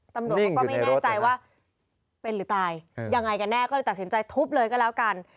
ตำรวจเขาก็ไม่แน่ใจว่าเป็นหรือตายยังไงกันแน่ก็เลยตัดสินใจทุบเลยก็แล้วกัน